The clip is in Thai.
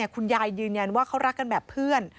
คุณยายยืนยันว่าเขารักกันแบบเพื่อน